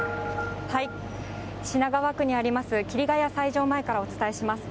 品川区にあります、桐ヶ谷斎場前からお伝えします。